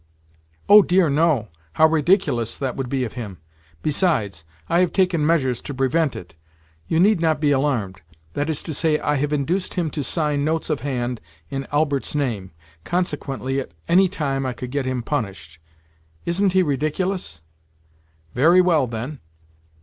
"Oh, dear no! How ridiculous that would be of him! Besides, I have taken measures to prevent it. You need not be alarmed. That is to say, I have induced him to sign notes of hand in Albert's name. Consequently, at any time I could get him punished. Isn't he ridiculous?" "Very well, then.